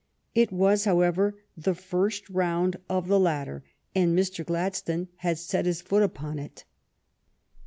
It was, however, the first round of the ladder, and Mr. Gladstone had set his foot upon it.